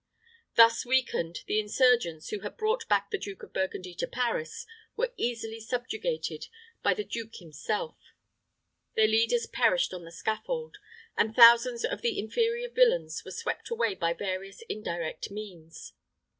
Thus weakened, the insurgents, who had brought back the Duke of Burgundy to Paris, were easily subjugated by the duke himself: their leaders perished on the scaffold; and thousands of the inferior villains were swept away by various indirect means.